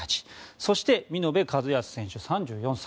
そして、見延和靖選手、３４歳。